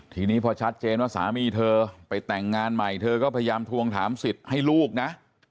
ทีนี้พอชัดเจนว่าสามีเธอไปแต่งงานใหม่เธอก็พยายามทวงถามสิทธิ์ให้ลูกนะ